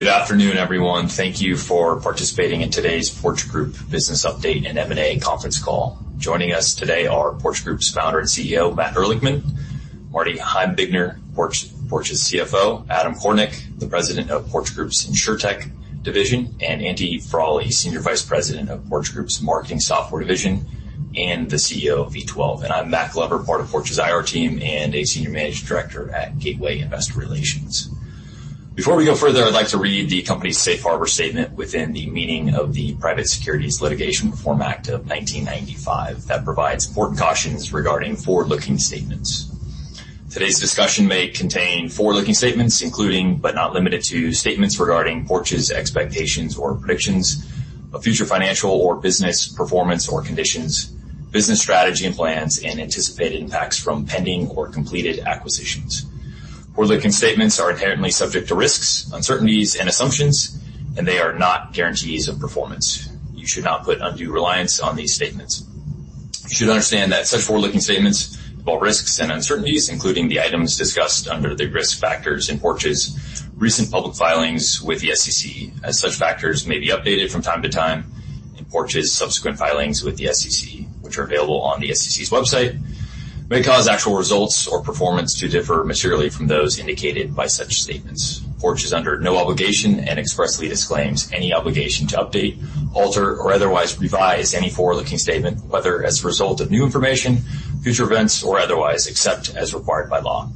Good afternoon, everyone. Thank you for participating in today's Porch Group business update and M&A conference call. Joining us today are Porch Group's founder and CEO, Matt Ehrlichman, Marty Heimbigner, Porch's CFO, Adam Kornick, the President of Porch Group's Insurtech division, and Andy Frawley, Senior Vice President of Porch Group's marketing software division and the CEO of V12. I'm Matt Glover, part of Porch's IR team, and a Senior Managing Director at Gateway Investor Relations. Before we go further, I'd like to read the company's safe harbor statement within the meaning of the Private Securities Litigation Reform Act of 1995 that provides important cautions regarding forward-looking statements. Today's discussion may contain forward-looking statements, including, but not limited to, statements regarding Porch's expectations or predictions of future financial or business performance or conditions, business strategy and plans, and anticipated impacts from pending or completed acquisitions. Forward-looking statements are inherently subject to risks, uncertainties, and assumptions, and they are not guarantees of performance. You should not put undue reliance on these statements. You should understand that such forward-looking statements involve risks and uncertainties, including the items discussed under the risk factors in Porch's recent public filings with the SEC, as such factors may be updated from time to time, and Porch's subsequent filings with the SEC, which are available on the SEC's website, may cause actual results or performance to differ materially from those indicated by such statements. Porch is under no obligation and expressly disclaims any obligation to update, alter, or otherwise revise any forward-looking statement, whether as a result of new information, future events, or otherwise, except as required by law.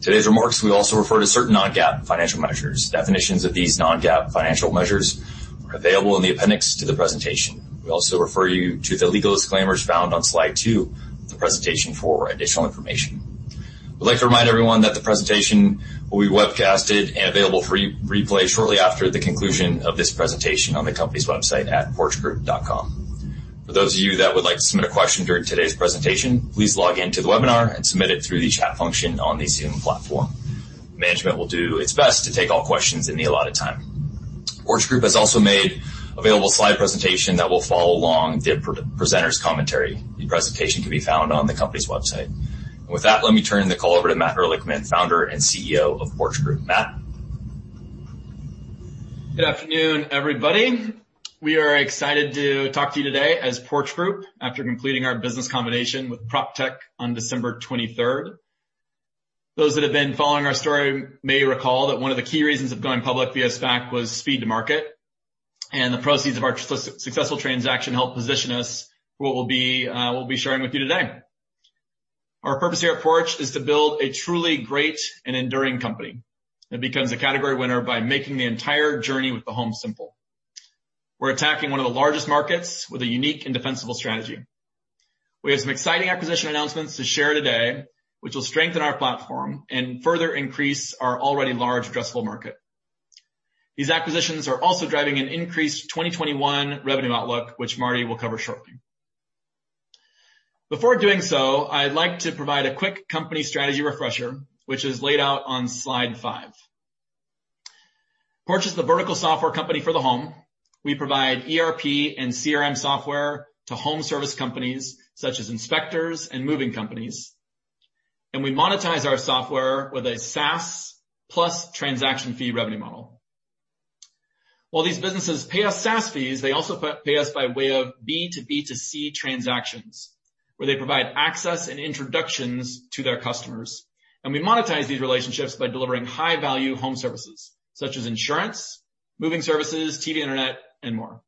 Today's remarks will also refer to certain non-GAAP financial measures. Definitions of these non-GAAP financial measures are available in the appendix to the presentation. We also refer you to the legal disclaimers found on slide two of the presentation for additional information. We'd like to remind everyone that the presentation will be webcasted and available for replay shortly after the conclusion of this presentation on the company's website at porchgroup.com. For those of you that would like to submit a question during today's presentation, please log in to the webinar and submit it through the chat function on the Zoom platform. Management will do its best to take all questions in the allotted time. Porch Group has also made available a slide presentation that will follow along the presenters' commentary. The presentation can be found on the company's website. With that, let me turn the call over to Matt Ehrlichman, founder and CEO of Porch Group. Matt? Good afternoon, everybody. We are excited to talk to you today as Porch Group after completing our business combination with PropTech Acquisition Corporation on December 23rd. Those that have been following our story may recall that one of the key reasons of going public via SPAC was speed to market, and the proceeds of our successful transaction helped position us for what we'll be sharing with you today. Our purpose here at Porch Group is to build a truly great and enduring company that becomes a category winner by making the entire journey with the home simple. We're attacking one of the largest markets with a unique and defensible strategy. We have some exciting acquisition announcements to share today, which will strengthen our platform and further increase our already large addressable market. These acquisitions are also driving an increased 2021 revenue outlook, which Marty will cover shortly. Before doing so, I'd like to provide a quick company strategy refresher, which is laid out on slide five. Porch Group is the vertical software company for the home. We provide ERP and CRM software to home service companies such as inspectors and moving companies. We monetize our software with a SaaS plus transaction fee revenue model. While these businesses pay us SaaS fees, they also pay us by way of B2B2C transactions, where they provide access and introductions to their customers, and we monetize these relationships by delivering high-value home services such as insurance, moving services, TV internet, and more.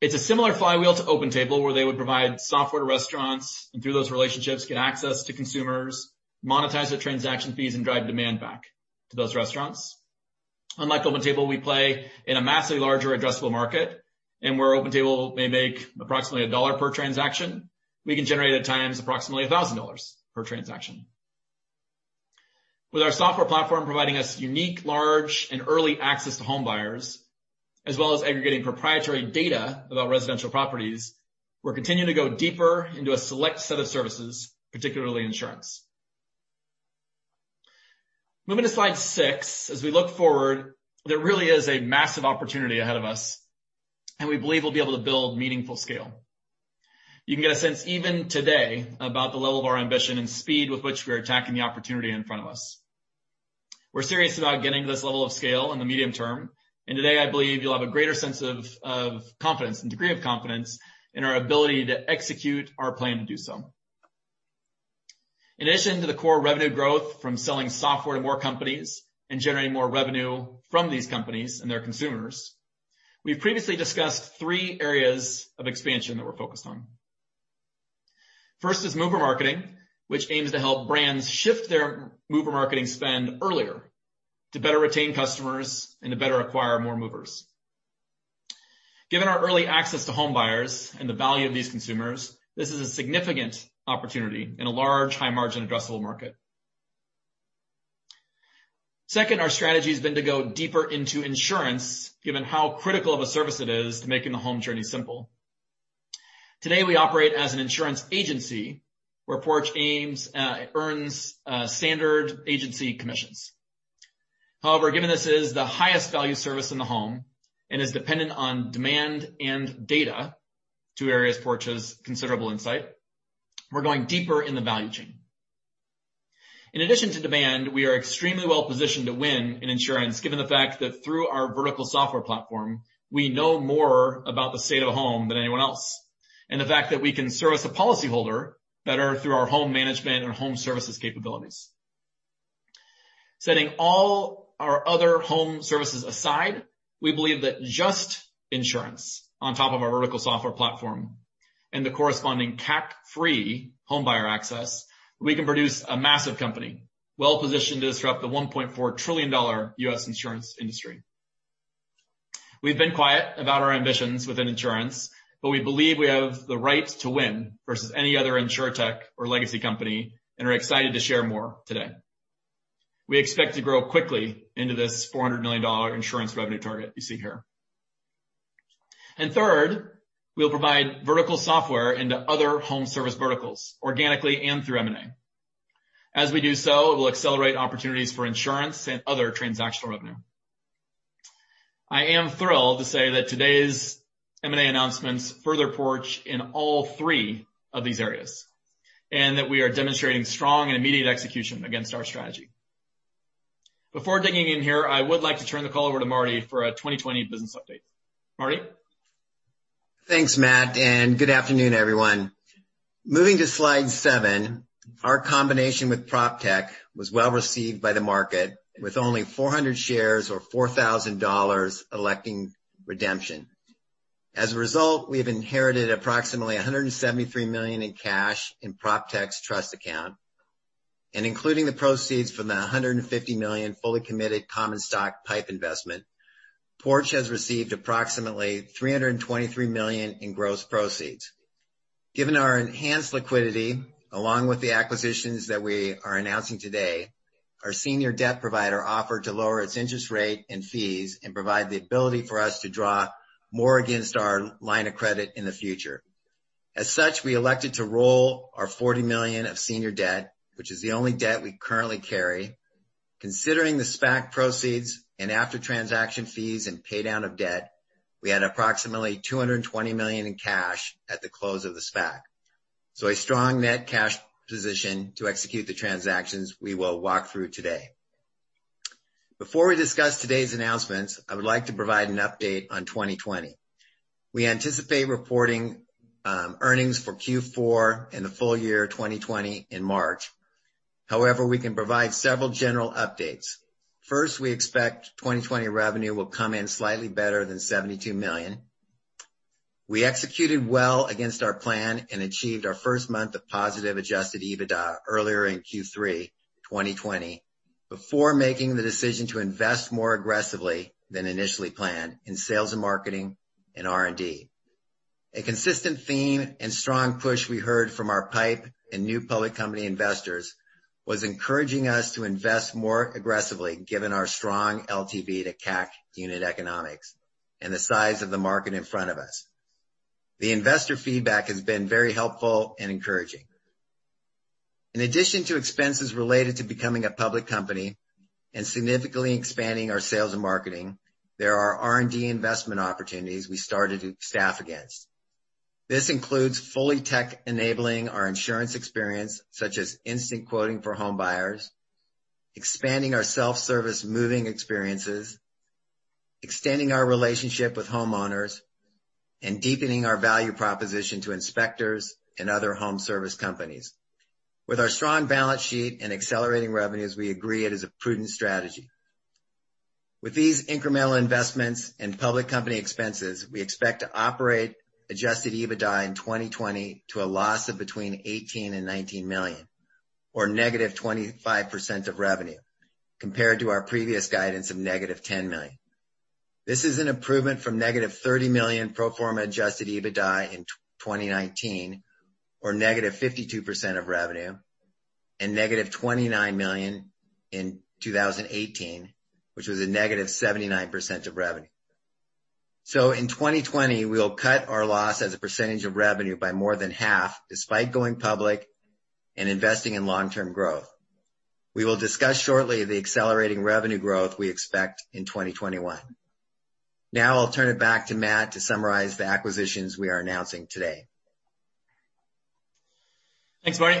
It's a similar flywheel to OpenTable, where they would provide software to restaurants, and through those relationships, get access to consumers, monetize the transaction fees, and drive demand back to those restaurants. Unlike OpenTable, we play in a massively larger addressable market, and where OpenTable may make approximately $1 per transaction, we can generate at times approximately $1,000 per transaction. With our software platform providing us unique, large, and early access to home buyers, as well as aggregating proprietary data about residential properties, we're continuing to go deeper into a select set of services, particularly insurance. Moving to slide six. As we look forward, there really is a massive opportunity ahead of us, and we believe we'll be able to build meaningful scale. You can get a sense even today about the level of our ambition and speed with which we are attacking the opportunity in front of us. We're serious about getting to this level of scale in the medium term. Today I believe you'll have a greater sense of confidence and degree of confidence in our ability to execute our plan to do so. In addition to the core revenue growth from selling software to more companies and generating more revenue from these companies and their consumers, we've previously discussed three areas of expansion that we're focused on. First is mover marketing, which aims to help brands shift their mover marketing spend earlier to better retain customers and to better acquire more movers. Given our early access to home buyers and the value of these consumers, this is a significant opportunity in a large, high-margin addressable market. Second, our strategy has been to go deeper into insurance, given how critical of a service it is to making the home journey simple. Today, we operate as an insurance agency where Porch Group earns standard agency commissions. However, given this is the highest value service in the home and is dependent on demand and data, two areas Porch Group has considerable insight. We're going deeper in the value chain. In addition to demand, we are extremely well-positioned to win in insurance, given the fact that through our vertical software platform, we know more about the state of a home than anyone else, and the fact that we can service a policyholder better through our home management and home services capabilities. Setting all our other home services aside, we believe that just insurance on top of our vertical software platform and the corresponding CAC-free homebuyer access, we can produce a massive company, well-positioned to disrupt the $1.4 trillion U.S. insurance industry. We've been quiet about our ambitions within Insurtech, but we believe we have the right to win versus any other Insurtech or legacy company and are excited to share more today. We expect to grow quickly into this $400 million insurance revenue target you see here. Third, we'll provide vertical software into other home service verticals, organically and through M&A. As we do so, it will accelerate opportunities for insurance and other transactional revenue. I am thrilled to say that today's M&A announcements further Porch Group in all three of these areas, and that we are demonstrating strong and immediate execution against our strategy. Before digging in here, I would like to turn the call over to Marty for a 2020 business update. Marty? Thanks, Matt, good afternoon, everyone. Moving to slide seven, our combination with PropTech Acquisition Corporation was well-received by the market, with only 400 shares or $4,000 electing redemption. As a result, we've inherited approximately $173 million in cash in PropTech's trust account. Including the proceeds from the $150 million fully committed common stock PIPE investment, Porch Group has received approximately $323 million in gross proceeds. Given our enhanced liquidity, along with the acquisitions that we are announcing today, our senior debt provider offered to lower its interest rate and fees and provide the ability for us to draw more against our line of credit in the future. As such, we elected to roll our $40 million of senior debt, which is the only debt we currently carry. Considering the SPAC proceeds and after transaction fees and pay-down of debt, we had approximately $220 million in cash at the close of the SPAC. A strong net cash position to execute the transactions we will walk through today. Before we discuss today's announcements, I would like to provide an update on 2020. We anticipate reporting earnings for Q4 and the full year 2020 in March. However, we can provide several general updates. First, we expect 2020 revenue will come in slightly better than $72 million. We executed well against our plan and achieved our first month of positive adjusted EBITDA earlier in Q3 2020, before making the decision to invest more aggressively than initially planned in sales and marketing and R&D. A consistent theme and strong push we heard from our PIPE and new public company investors was encouraging us to invest more aggressively, given our strong LTV to CAC unit economics and the size of the market in front of us. The investor feedback has been very helpful and encouraging. In addition to expenses related to becoming a public company and significantly expanding our sales and marketing, there are R&D investment opportunities we started to staff against. This includes fully tech-enabling our insurance experience, such as instant quoting for homebuyers, expanding our self-service moving experiences, extending our relationship with homeowners, and deepening our value proposition to inspectors and other home service companies. With our strong balance sheet and accelerating revenues, we agree it is a prudent strategy. With these incremental investments and public company expenses, we expect to operate adjusted EBITDA in 2020 to a loss of between $18 million and $19 million, or -25% of revenue, compared to our previous guidance of -$10 million. This is an improvement from -$30 million pro forma adjusted EBITDA in 2019, or -52% of revenue, and -$29 million in 2018, which was a -79% of revenue. In 2020, we'll cut our loss as a percentage of revenue by more than half, despite going public and investing in long-term growth. We will discuss shortly the accelerating revenue growth we expect in 2021. I'll turn it back to Matt to summarize the acquisitions we are announcing today. Thanks, Marty.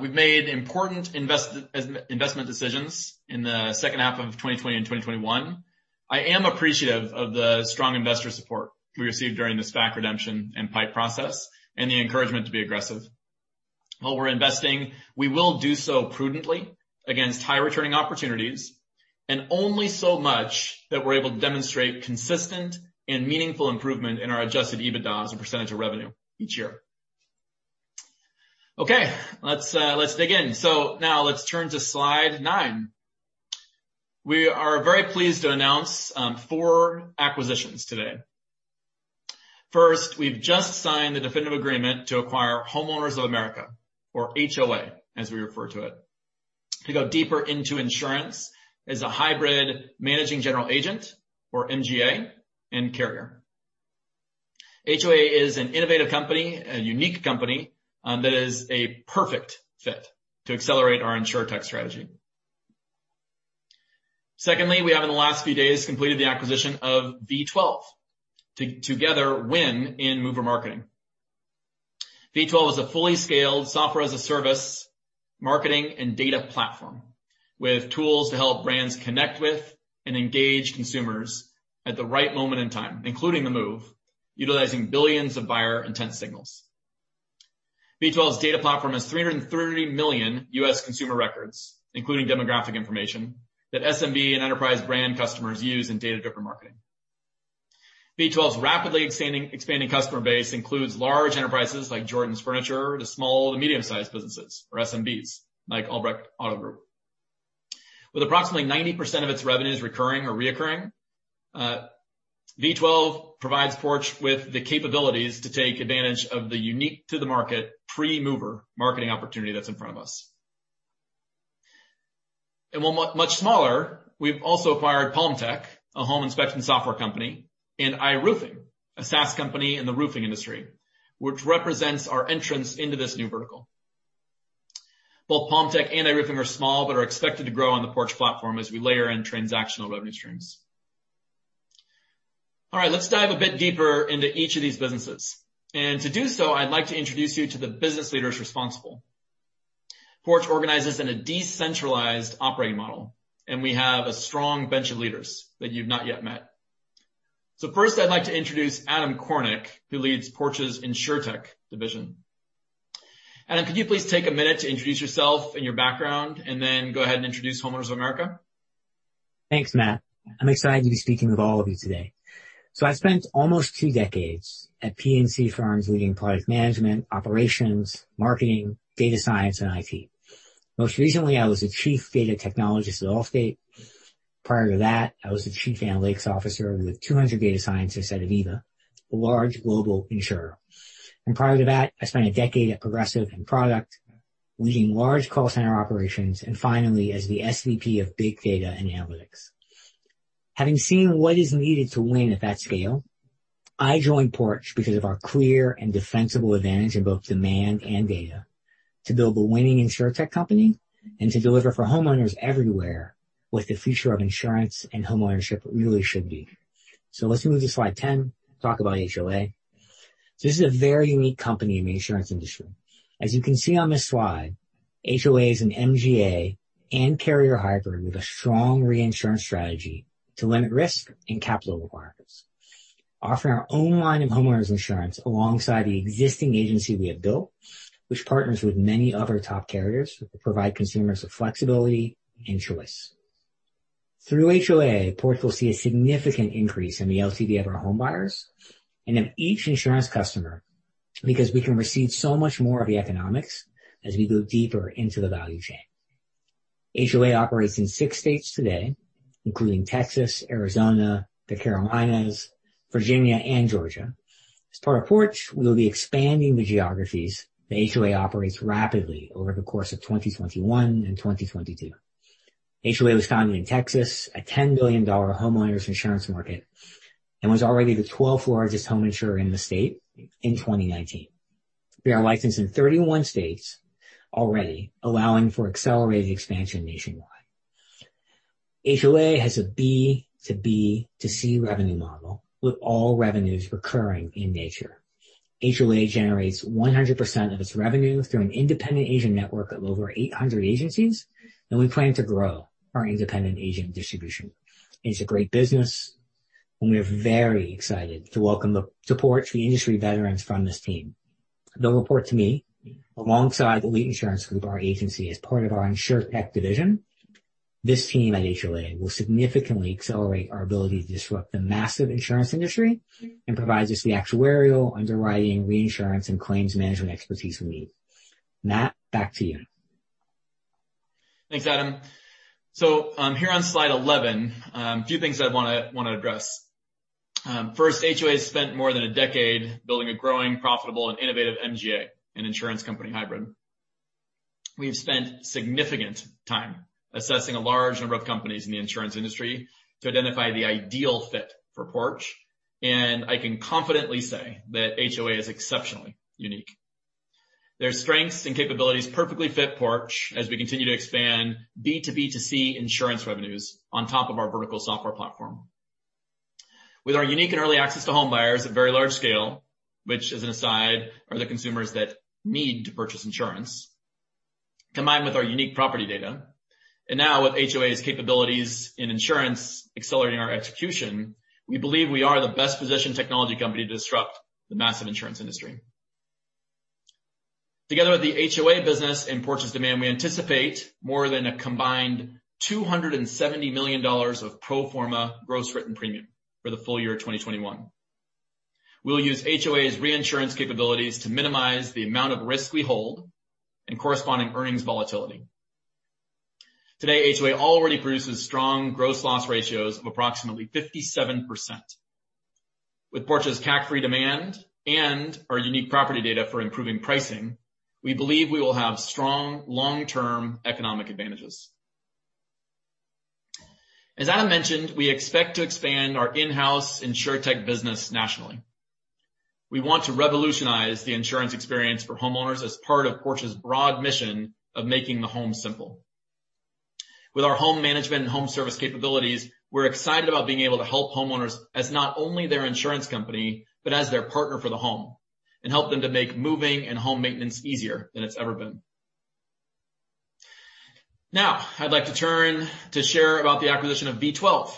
We've made important investment decisions in the second half of 2020 and 2021. I am appreciative of the strong investor support we received during the SPAC redemption and PIPE process and the encouragement to be aggressive. While we're investing, we will do so prudently against high-returning opportunities and only so much that we're able to demonstrate consistent and meaningful improvement in our adjusted EBITDA as a percentage of revenue each year. Okay. Let's dig in. Now let's turn to slide nine. We are very pleased to announce four acquisitions today. First, we've just signed the definitive agreement to acquire Homeowners of America, or HOA, as we refer to it, to go deeper into insurance as a hybrid managing general agent, or MGA, and carrier. HOA is an innovative company, a unique company that is a perfect fit to accelerate our Insurtech strategy. Secondly, we have in the last few days completed the acquisition of V12 to together win in mover marketing. V12 is a fully scaled software as a service marketing and data platform with tools to help brands connect with and engage consumers at the right moment in time, including the move, utilizing billions of buyer intent signals. V12's data platform has 330 million U.S. consumer records, including demographic information that SMB and enterprise brand customers use in data-driven marketing. V12's rapidly expanding customer base includes large enterprises like Jordan's Furniture to small to medium-sized businesses or SMBs, like Albrecht Auto Group. With approximately 90% of its revenues recurring or reoccurring, V12 provides Porch Group with the capabilities to take advantage of the unique-to-the-market pre-mover marketing opportunity that's in front of us. Much smaller, we've also acquired PalmTech, a home inspection software company, and iRoofing, a SaaS company in the roofing industry, which represents our entrance into this new vertical. Both PalmTech and iRoofing are small but are expected to grow on the Porch platform as we layer in transactional revenue streams. All right. Let's dive a bit deeper into each of these businesses. To do so, I'd like to introduce you to the business leaders responsible. Porch Group organizes in a decentralized operating model, and we have a strong bench of leaders that you've not yet met. First, I'd like to introduce Adam Kornick, who leads Porch's Insurtech division. Adam, could you please take a minute to introduce yourself and your background, and then go ahead and introduce Homeowners of America? Thanks, Matt. I'm excited to be speaking with all of you today. I spent almost two decades at P&C firms leading product management, operations, marketing, data science, and IT. Most recently, I was the chief data technologist at Allstate. Prior to that, I was the chief analytics officer with 200 data scientists at Aviva, a large global insurer. Prior to that, I spent a decade at Progressive in product, leading large call center operations, and finally, as the SVP of Big Data and Analytics. Having seen what is needed to win at that scale, I joined Porch Group because of our clear and defensible advantage in both demand and data to build a winning Insurtech company and to deliver for homeowners everywhere what the future of insurance and homeownership really should be. Let's move to slide 10, talk about HOA. This is a very unique company in the insurance industry. As you can see on this slide, HOA is an MGA and carrier hybrid with a strong reinsurance strategy to limit risk and capital requirements. Offering our own line of homeowners insurance alongside the existing agency we have built, which partners with many other top carriers to provide consumers with flexibility and choice. Through HOA, Porch Group will see a significant increase in the LTV of our homebuyers and of each insurance customer because we can receive so much more of the economics as we go deeper into the value chain. HOA operates in six states today, including Texas, Arizona, the Carolinas, Virginia, and Georgia. As part of Porch Group, we will be expanding the geographies the HOA operates rapidly over the course of 2021 and 2022. HOA was founded in Texas, a $10 billion homeowners insurance market, and was already the 12th-largest home insurer in the state in 2019. We are licensed in 31 states already, allowing for accelerated expansion nationwide. HOA has a B2B2C revenue model, with all revenues recurring in nature. HOA generates 100% of its revenue through an independent agent network of over 800 agencies, and we plan to grow our independent agent distribution. It's a great business, and we are very excited to welcome the support the industry veterans from this team. They'll report to me alongside Elite Insurance Group, our agency, as part of our Insurtech Division. This team at HOA will significantly accelerate our ability to disrupt the massive insurance industry and provides us the actuarial, underwriting, reinsurance, and claims management expertise we need. Matt, back to you. Thanks, Adam. Here on slide 11, a few things I'd want to address. First, HOA has spent more than a decade building a growing, profitable, and innovative MGA and insurance company hybrid. We've spent significant time assessing a large number of companies in the insurance industry to identify the ideal fit for Porch Group, and I can confidently say that HOA is exceptionally unique. Their strengths and capabilities perfectly fit Porch Group as we continue to expand B2B2C insurance revenues on top of our vertical software platform. With our unique and early access to homebuyers at very large scale, which as an aside, are the consumers that need to purchase insurance, combined with our unique property data, and now with HOA's capabilities in insurance accelerating our execution, we believe we are the best-positioned technology company to disrupt the massive insurance industry. Together with the HOA business and Porch's demand, we anticipate more than a combined $270 million of pro forma gross written premium for the full year of 2021. We'll use HOA's reinsurance capabilities to minimize the amount of risk we hold and corresponding earnings volatility. Today, HOA already produces strong gross loss ratios of approximately 57%. With Porch's CAC-free demand and our unique property data for improving pricing, we believe we will have strong long-term economic advantages. As Adam mentioned, we expect to expand our in-house Insurtech business nationally. We want to revolutionize the insurance experience for homeowners as part of Porch's broad mission of making the home simple. With our home management and home service capabilities, we're excited about being able to help homeowners as not only their insurance company, but as their partner for the home, and help them to make moving and home maintenance easier than it's ever been. Now, I'd like to turn to share about the acquisition of V12.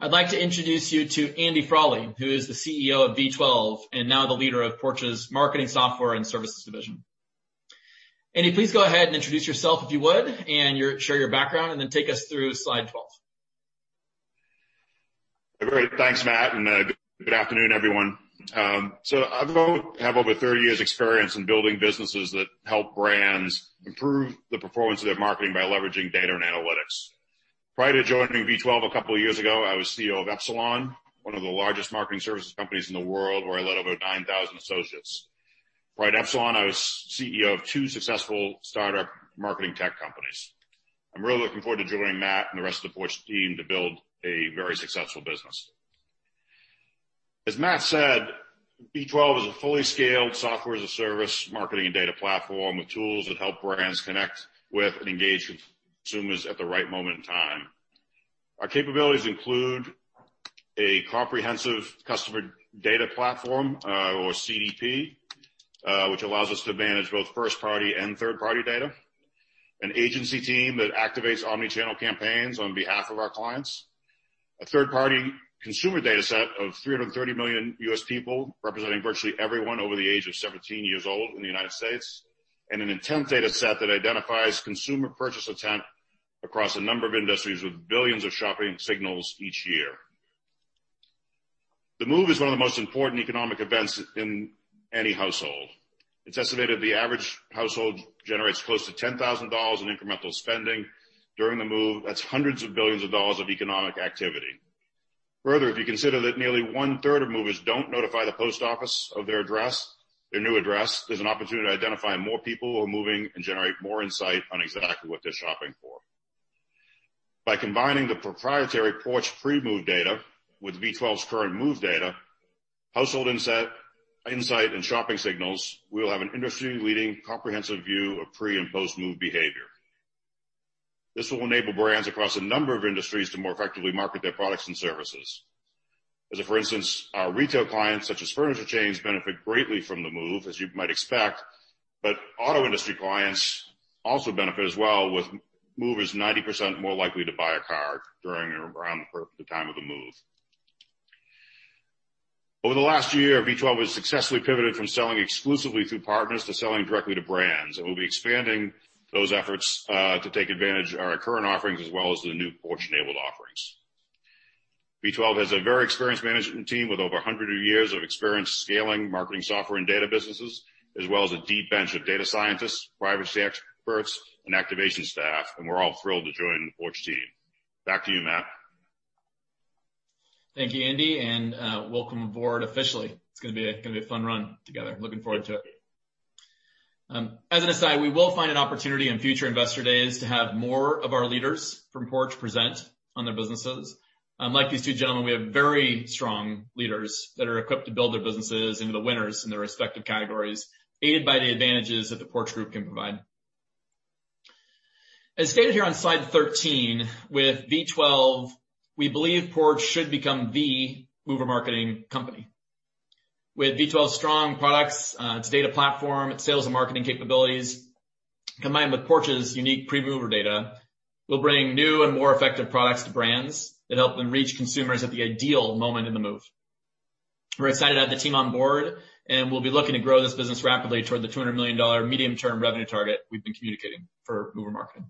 I'd like to introduce you to Andy Frawley, who is the CEO of V12 and now the leader of Porch's Marketing Software Division. Andy, please go ahead and introduce yourself if you would, and share your background, and then take us through slide 12. Great. Thanks, Matt, and good afternoon, everyone. I have over 30 years experience in building businesses that help brands improve the performance of their marketing by leveraging data and analytics. Prior to joining V12 a couple of years ago, I was CEO of Epsilon, one of the largest marketing services companies in the world where I led over 9,000 associates. Prior to Epsilon, I was CEO of two successful startup marketing tech companies. I'm really looking forward to joining Matt and the rest of the Porch Group team to build a very successful business. As Matt said, V12 is a fully scaled software as a service, marketing and data platform with tools that help brands connect with and engage with consumers at the right moment in time. Our capabilities include a comprehensive customer data platform, or CDP, which allows us to manage both first-party and third-party data, an agency team that activates omni-channel campaigns on behalf of our clients, a third-party consumer data set of 330 million U.S. people, representing virtually everyone over the age of 17 years old in the United States, and an intent data set that identifies consumer purchase intent across a number of industries with billions of shopping signals each year. The move is one of the most important economic events in any household. It's estimated the average household generates close to $10,000 in incremental spending during the move. That's hundreds of billions of dollars of economic activity. Further, if you consider that nearly one-third of movers don't notify the post office of their new address, there's an opportunity to identify more people who are moving and generate more insight on exactly what they're shopping for. By combining the proprietary Porch Group pre-move data with V12's current move data, household insight, and shopping signals, we'll have an industry-leading comprehensive view of pre- and post-move behavior. This will enable brands across a number of industries to more effectively market their products and services. As if, for instance, our retail clients, such as furniture chains, benefit greatly from the move, as you might expect, but auto industry clients also benefit as well with movers 90% more likely to buy a car during or around the time of the move. Over the last year, V12 has successfully pivoted from selling exclusively through partners to selling directly to brands. We'll be expanding those efforts to take advantage of our current offerings as well as the new Porch-enabled offerings. V12 has a very experienced management team with over 100 years of experience scaling marketing software and data businesses, as well as a deep bench of data scientists, privacy experts, and activation staff, and we're all thrilled to join the Porch Group team. Back to you, Matt. Thank you, Andy, and welcome aboard officially. It's going to be a fun run together. Looking forward to it. As an aside, we will find an opportunity on future Investor Days to have more of our leaders from Porch Group present on their businesses. Like these two gentlemen, we have very strong leaders that are equipped to build their businesses into the winners in their respective categories, aided by the advantages that The Porch Group can provide. As stated here on slide 13, with V12, we believe Porch Group should become the mover marketing company. With V12's strong products, its data platform, its sales and marketing capabilities, combined with Porch Group's unique pre-mover data, we'll bring new and more effective products to brands that help them reach consumers at the ideal moment in the move. We're excited to have the team on board, and we'll be looking to grow this business rapidly toward the $200 million medium-term revenue target we've been communicating for mover marketing.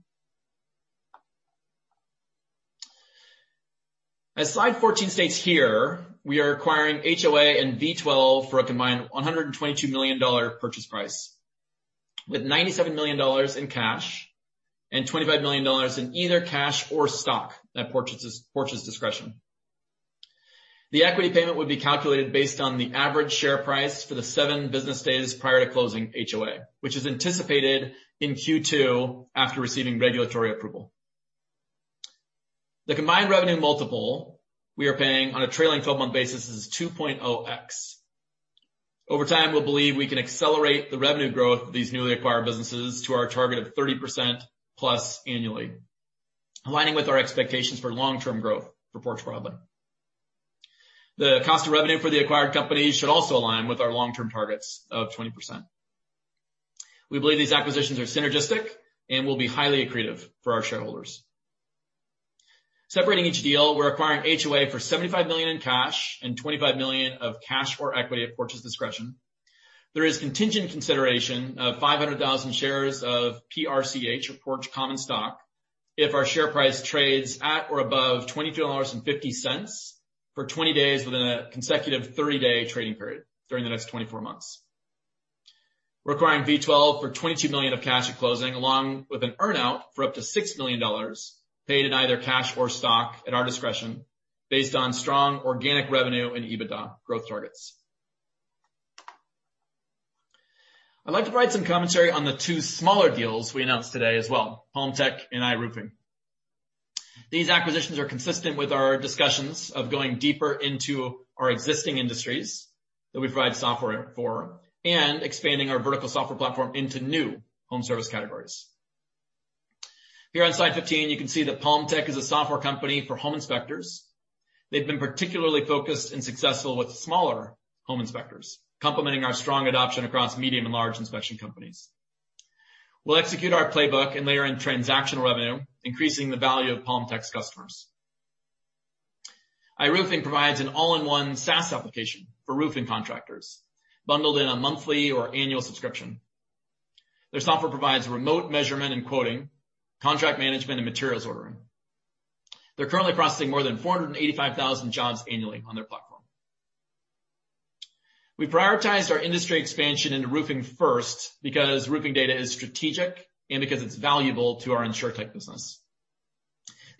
As slide 14 states here, we are acquiring HOA and V12 for a combined $122 million purchase price, with $97 million in cash and $25 million in either cash or stock at Porch's discretion. The equity payment would be calculated based on the average share price for the seven business days prior to closing HOA, which is anticipated in Q2 after receiving regulatory approval. The combined revenue multiple we are paying on a trailing 12-month basis is 2.0x. Over time, we believe we can accelerate the revenue growth of these newly acquired businesses to our target of 30%+ annually, aligning with our expectations for long-term growth for Porch Group broadly. The cost of revenue for the acquired company should also align with our long-term targets of 20%. We believe these acquisitions are synergistic and will be highly accretive for our shareholders. Separating each deal, we're acquiring HOA for $75 million in cash and $25 million of cash or equity at Porch's discretion. There is contingent consideration of 500,000 shares of PRCH, or Porch common stock, if our share price trades at or above $22.50 for 20 days within a consecutive 30-day trading period during the next 24 months. We're acquiring V12 for $22 million of cash at closing, along with an earn-out for up to $6 million, paid in either cash or stock at our discretion, based on strong organic revenue and EBITDA growth targets. I'd like to provide some commentary on the two smaller deals we announced today as well, PalmTech and iRoofing. These acquisitions are consistent with our discussions of going deeper into our existing industries that we provide software for and expanding our vertical software platform into new home service categories. Here on slide 15, you can see that PalmTech is a software company for home inspectors. They've been particularly focused and successful with smaller home inspectors, complementing our strong adoption across medium and large inspection companies. We'll execute our playbook and layer in transactional revenue, increasing the value of PalmTech's customers. iRoofing provides an all-in-one SaaS application for roofing contractors, bundled in a monthly or annual subscription. Their software provides remote measurement and quoting, contract management, and materials ordering. They're currently processing more than 485,000 jobs annually on their platform. We prioritized our industry expansion into roofing first because roofing data is strategic and because it's valuable to our InsurTech business.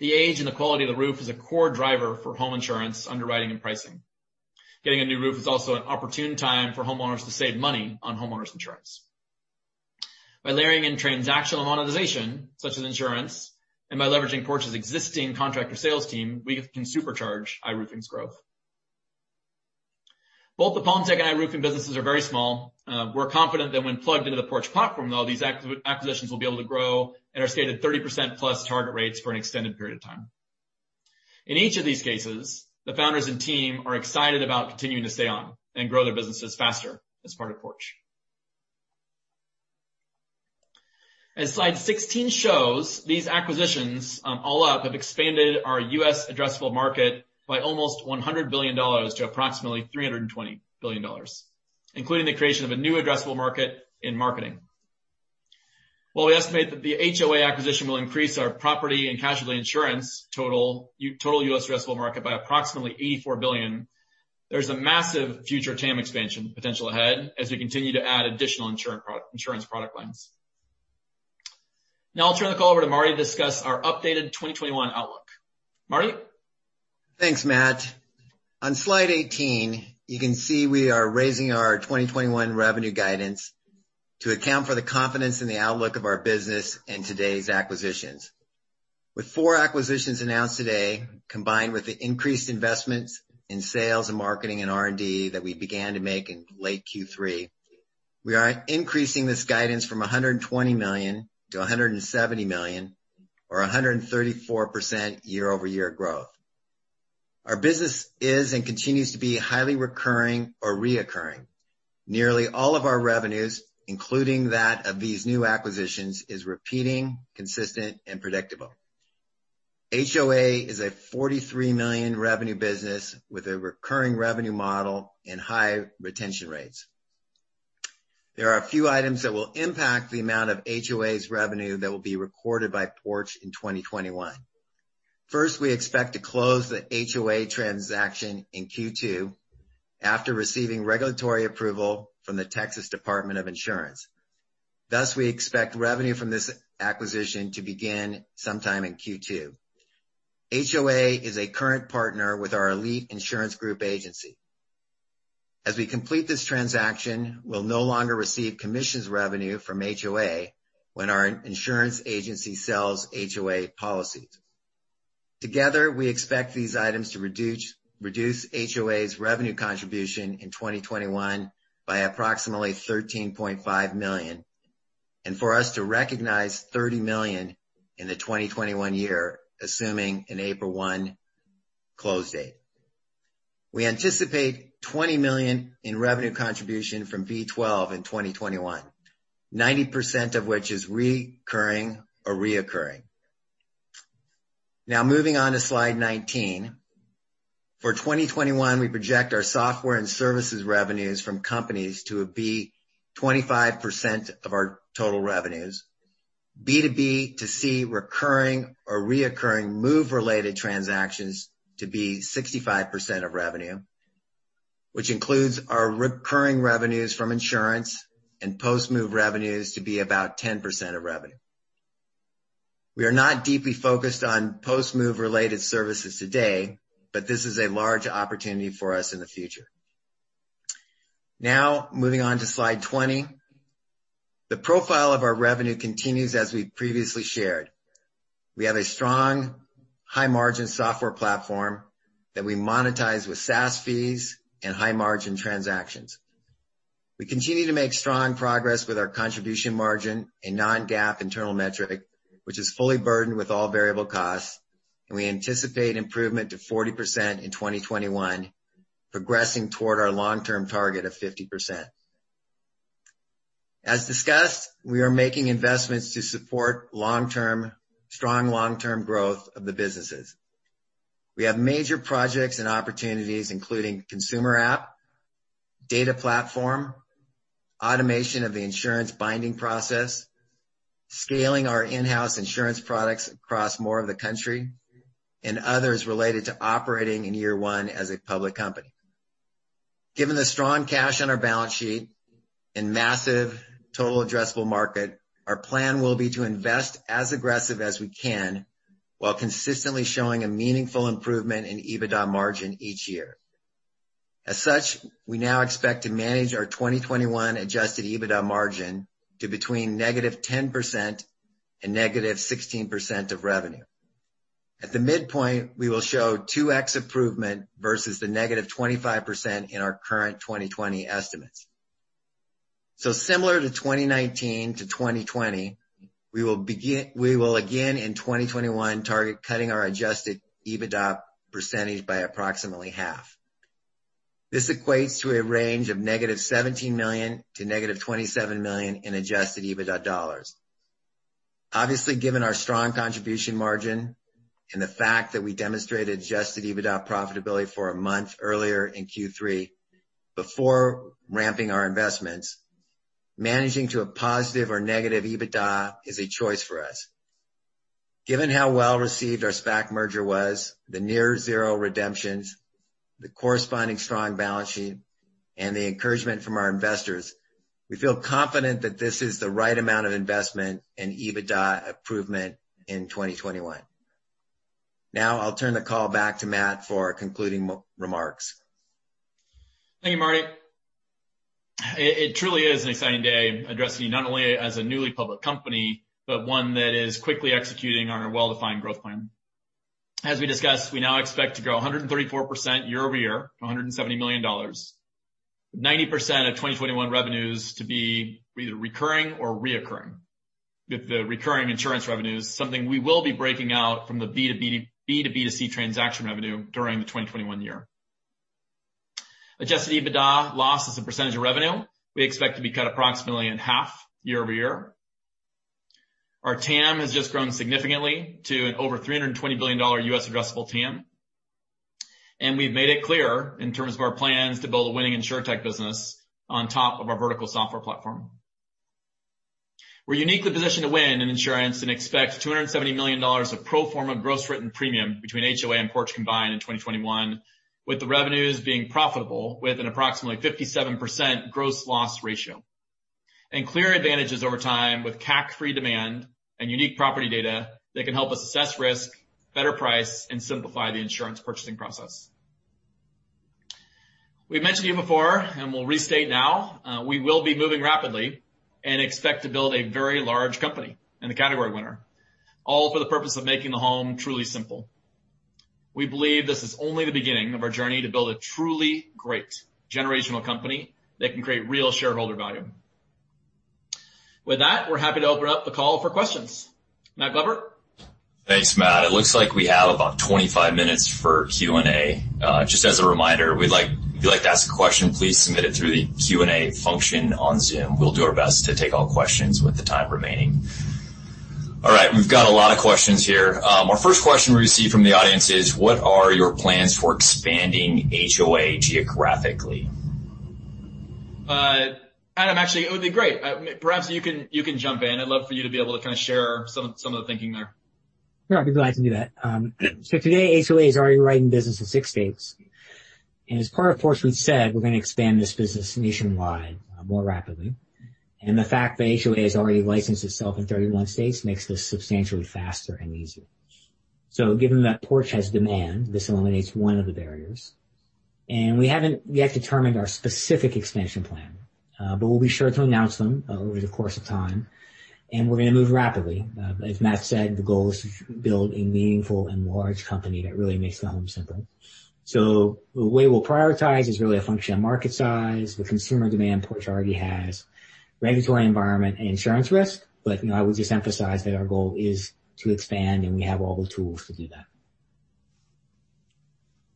The age and the quality of the roof is a core driver for home insurance underwriting and pricing. Getting a new roof is also an opportune time for homeowners to save money on homeowners insurance. By layering in transactional monetization, such as insurance, and by leveraging Porch's existing contractor sales team, we can supercharge iRoofing's growth. Both the PalmTech and iRoofing businesses are very small. We're confident that when plugged into the Porch Group platform, though, these acquisitions will be able to grow at our stated 30%+ target rates for an extended period of time. In each of these cases, the founders and team are excited about continuing to stay on and grow their businesses faster as part of Porch Group. As slide 16 shows, these acquisitions, all up, have expanded our U.S. addressable market by almost $100 billion to approximately $320 billion, including the creation of a new addressable market in marketing. While we estimate that the HOA acquisition will increase our property and casualty insurance total U.S. addressable market by approximately $84 billion, there's a massive future TAM expansion potential ahead as we continue to add additional insurance product lines. I'll turn the call over to Marty to discuss our updated 2021 outlook. Marty? Thanks, Matt. On slide 18, you can see we are raising our 2021 revenue guidance to account for the confidence in the outlook of our business and today's acquisitions. With four acquisitions announced today, combined with the increased investments in sales and marketing and R&D that we began to make in late Q3, we are increasing this guidance from $120 million-$170 million, or 134% year-over-year growth. Our business is and continues to be highly recurring or reoccurring. Nearly all of our revenues, including that of these new acquisitions, is repeating, consistent, and predictable. HOA is a $43 million revenue business with a recurring revenue model and high retention rates. There are a few items that will impact the amount of HOA's revenue that will be recorded by Porch Group in 2021. We expect to close the HOA transaction in Q2 after receiving regulatory approval from the Texas Department of Insurance. We expect revenue from this acquisition to begin sometime in Q2. HOA is a current partner with our Elite Insurance Group agency. As we complete this transaction, we'll no longer receive commissions revenue from HOA when our insurance agency sells HOA policies. Together, we expect these items to reduce HOA's revenue contribution in 2021 by approximately $13.5 million, and for us to recognize $30 million in the 2021 year, assuming an April 1 close date. We anticipate $20 million in revenue contribution from V12 in 2021, 90% of which is recurring or reoccurring. Moving on to slide 19. For 2021, we project our software and services revenues from companies to be 25% of our total revenues, B2B2C recurring or reoccurring move-related transactions to be 65% of revenue, which includes our recurring revenues from insurance and post-move revenues to be about 10% of revenue. We are not deeply focused on post-move related services today, but this is a large opportunity for us in the future. Moving on to slide 20. The profile of our revenue continues as we previously shared. We have a strong high-margin software platform that we monetize with SaaS fees and high-margin transactions. We continue to make strong progress with our contribution margin, in non-GAAP internal metric, which is fully burdened with all variable costs, and we anticipate improvement to 40% in 2021, progressing toward our long-term target of 50%. As discussed, we are making investments to support strong long-term growth of the businesses. We have major projects and opportunities, including consumer app, data platform, automation of the insurance binding process, scaling our in-house insurance products across more of the country, and others related to operating in year one as a public company. Given the strong cash on our balance sheet and massive total addressable market, our plan will be to invest as aggressive as we can while consistently showing a meaningful improvement in EBITDA margin each year. We now expect to manage our 2021 adjusted EBITDA margin to between -10% and -16% of revenue. At the midpoint, we will show 2x improvement versus the -25% in our current 2020 estimates. Similar to 2019 to 2020, we will again in 2021 target cutting our adjusted EBITDA percentage by approximately half. This equates to a range of -$17 million--$27 million in adjusted EBITDA. Obviously, given our strong contribution margin and the fact that we demonstrated adjusted EBITDA profitability for a month earlier in Q3 before ramping our investments, managing to a positive or negative EBITDA is a choice for us. Given how well-received our SPAC merger was, the near zero redemptions, the corresponding strong balance sheet, and the encouragement from our investors, we feel confident that this is the right amount of investment and EBITDA improvement in 2021. Now I'll turn the call back to Matt for concluding remarks. Thank you, Marty. It truly is an exciting day addressing you not only as a newly public company, but one that is quickly executing on our well-defined growth plan. As we discussed, we now expect to grow 134% year-over-year to $170 million, with 90% of 2021 revenues to be either recurring or reoccurring, with the recurring insurance revenues something we will be breaking out from the B2B2C transaction revenue during the 2021 year. Adjusted EBITDA loss as a percentage of revenue, we expect to be cut approximately in half year-over-year. Our TAM has just grown significantly to an over $320 billion U.S. addressable TAM. We've made it clear in terms of our plans to build a winning Insurtech business on top of our vertical software platform. We're uniquely positioned to win in insurance and expect $270 million of pro forma gross written premium between HOA and Porch Group combined in 2021, with the revenues being profitable, with an approximately 57% gross loss ratio. Clear advantages over time with CAC-free demand and unique property data that can help us assess risk, better price, and simplify the insurance purchasing process. We've mentioned to you before, and we'll restate now, we will be moving rapidly and expect to build a very large company and the category winner, all for the purpose of making the home truly simple. We believe this is only the beginning of our journey to build a truly great generational company that can create real shareholder value. With that, we're happy to open up the call for questions. Matt Glover. Thanks, Matt. It looks like we have about 25 minutes for Q&A. Just as a reminder, if you'd like to ask a question, please submit it through the Q&A function on Zoom. We'll do our best to take all questions with the time remaining. All right. We've got a lot of questions here. Our first question we received from the audience is, what are your plans for expanding HOA geographically? Adam, actually, it would be great. Perhaps you can jump in. I'd love for you to be able to kind of share some of the thinking there. Yeah, I'd be glad to do that. Today, HOA is already writing business in six states. As Porch Group once said, we're going to expand this business nationwide more rapidly. The fact that HOA has already licensed itself in 31 states makes this substantially faster and easier. Given that Porch Group has demand, this eliminates one of the barriers. We haven't yet determined our specific expansion plan, but we'll be sure to announce them over the course of time, and we're going to move rapidly. As Matt said, the goal is to build a meaningful and large company that really makes the home simple. The way we'll prioritize is really a function of market size, the consumer demand Porch Group already has, regulatory environment, and insurance risk. I would just emphasize that our goal is to expand, and we have all the tools to do that.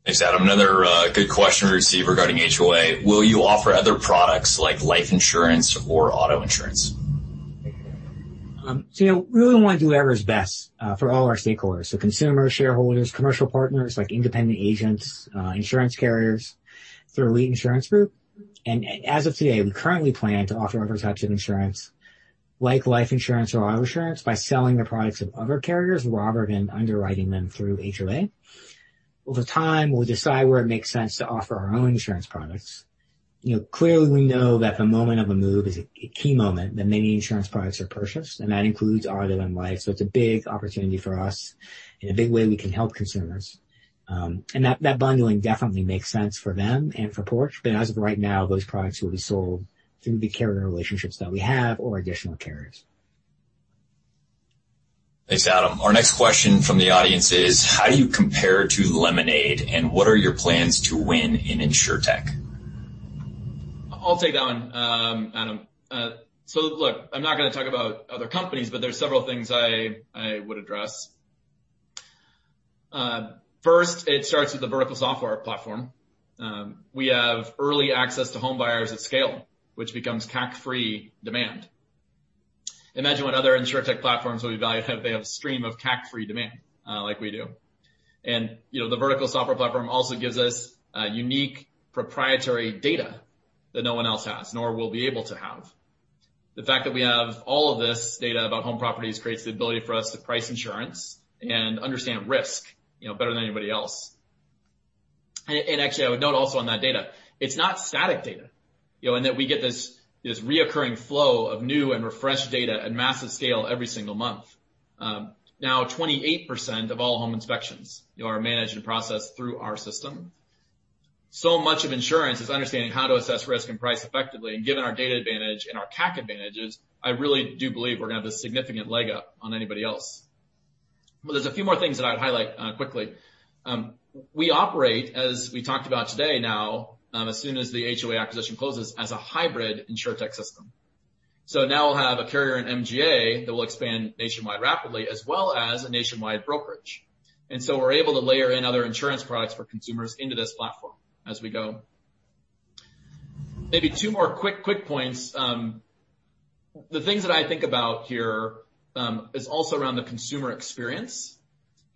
Thanks, Adam. Another good question we received regarding HOA. Will you offer other products like life insurance or auto insurance? We really want to do whatever is best for all our stakeholders, consumers, shareholders, commercial partners like independent agents, insurance carriers through Elite Insurance Group. As of today, we currently plan to offer other types of insurance, like life insurance or auto insurance, by selling the products of other carriers rather than underwriting them through HOA. Over time, we'll decide where it makes sense to offer our own insurance products. Clearly we know that the moment of a move is a key moment that many insurance products are purchased, and that includes auto and life. It's a big opportunity for us and a big way we can help consumers. That bundling definitely makes sense for them and for Porch Group. As of right now, those products will be sold through the carrier relationships that we have or additional carriers. Thanks, Adam. Our next question from the audience is, how do you compare to Lemonade, Inc., and what are your plans to win in Insurtech? I'll take that one, Adam. Look, I'm not going to talk about other companies, but there's several things I would address. First, it starts with the vertical software platform. We have early access to home buyers at scale, which becomes CAC-free demand. Imagine what other Insurtech platforms would be valued if they have a stream of CAC-free demand like we do. The vertical software platform also gives us unique proprietary data that no one else has, nor will be able to have. The fact that we have all of this data about home properties creates the ability for us to price insurance and understand risk better than anybody else. Actually, I would note also on that data, it's not static data, and that we get this reoccurring flow of new and refreshed data at massive scale every single month. Now, 28% of all home inspections are managed and processed through our system. Much of insurance is understanding how to assess risk and price effectively, and given our data advantage and our CAC advantages, I really do believe we're going to have a significant leg up on anybody else. There's a few more things that I would highlight quickly. We operate, as we talked about today now, as soon as the HOA acquisition closes, as a hybrid Insurtech system. Now we'll have a carrier and MGA that will expand nationwide rapidly, as well as a nationwide brokerage. We're able to layer in other insurance products for consumers into this platform as we go. Maybe two more quick points. The things that I think about here is also around the consumer experience.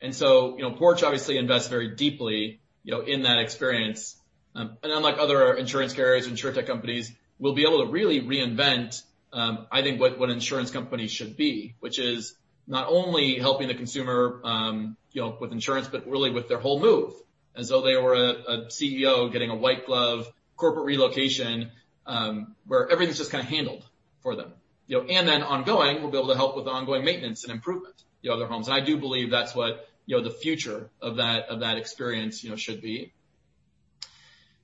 Porch Group obviously invests very deeply in that experience. Unlike other insurance carriers, Insurtech companies, we'll be able to really reinvent, I think, what insurance companies should be, which is not only helping the consumer with insurance, but really with their whole move. As though they were a CEO getting a white glove corporate relocation, where everything's just handled for them. Then ongoing, we'll be able to help with ongoing maintenance and improvement, their homes. I do believe that's what the future of that experience should be.